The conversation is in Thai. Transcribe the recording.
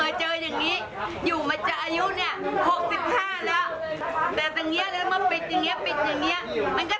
เพราะอย่างน้อยเราพาเรือออกมาไปหาซื้อของกินที่ตลาดได้